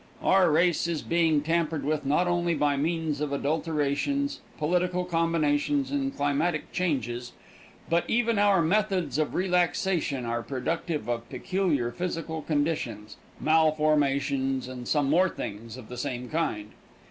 Our race is being tampered with not only by means of adulterations, political combinations and climatic changes, but even our methods of relaxation are productive of peculiar physical conditions, malformations and some more things of the same kind.